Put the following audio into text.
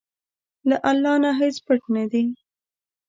له الله نه هیڅ پټ نه دي.